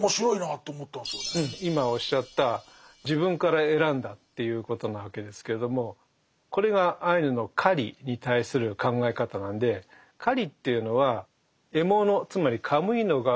今おっしゃった自分から選んだっていうことなわけですけれどもこれがアイヌの狩りに対する考え方なんで狩りっていうのは獲物つまりカムイの側から人間を選ぶ。